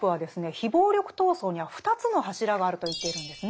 非暴力闘争には２つの柱があると言っているんですね。